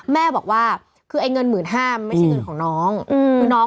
แม่บอกว่าคือเงิน๑๕๐๐๐ไม่ใช่ของน้อง